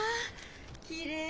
きれい。